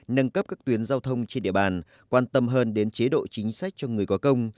nâng cấp các tuyến giao thông trên địa bàn quan tâm hơn đến chế độ chính sách cho người có công